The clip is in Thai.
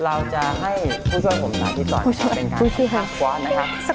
เราจะให้ผู้ช่วยผมน้ารกิจต่อทางที่มีเพียงอัพการรักษา